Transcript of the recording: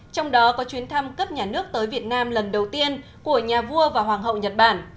trong đó có chuyến thăm cấp nhà nước tới việt nam lần đầu tiên của nhà vua và hoàng hậu nhật bản